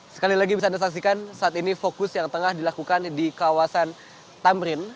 sekali lagi bisa anda saksikan saat ini fokus yang tengah dilakukan di kawasan tamrin